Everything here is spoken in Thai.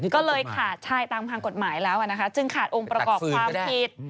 ก็เลยขาดใช่ตามทางกฎหมายแล้วนะคะจึงขาดองค์ประกอบความผิด